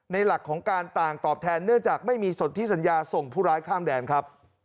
หลักของการต่างตอบแทนเนื่องจากไม่มีสนที่สัญญาส่งผู้ร้ายข้ามแดนครับ